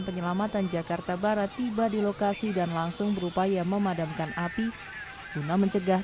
penyelamatan jakarta barat tiba di lokasi dan langsung berupaya memadamkan api guna mencegah